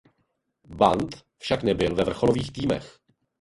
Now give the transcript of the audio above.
Band však nebyl ve vrcholových týmech.